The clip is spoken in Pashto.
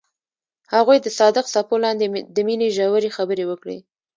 هغوی د صادق څپو لاندې د مینې ژورې خبرې وکړې.